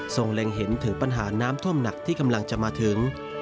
เล็งเห็นถึงปัญหาน้ำท่วมหนักที่กำลังจะมาถึง